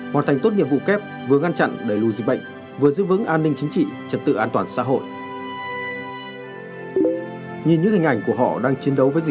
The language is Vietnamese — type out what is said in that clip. hoàn thành tốt nhiệm vụ kép vừa ngăn chặn đẩy lùi dịch bệnh